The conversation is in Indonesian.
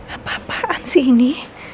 apa apaan sih ini